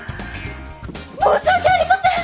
申し訳ありません！